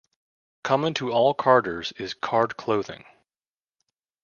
Common to all carders is card clothing.